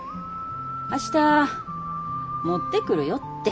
明日持ってくるよって。